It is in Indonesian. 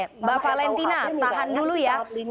mbak valentina tahan dulu ya